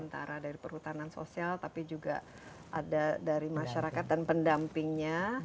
tapi juga ada dari masyarakat dan pendampingnya